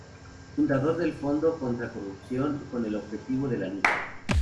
Fundador del Fondo contra corrupción con el objetivo de la lucha.